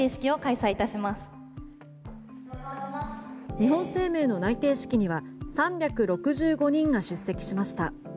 日本生命の内定式には３６５人が出席しました。